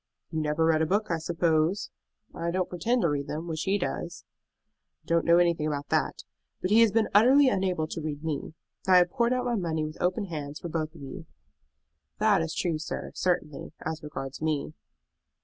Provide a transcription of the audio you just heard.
"You never read a book, I suppose?" "I don't pretend to read them, which he does." "I don't know anything about that; but he has been utterly unable to read me. I have poured out my money with open hands for both of you." "That is true, sir, certainly, as regards me."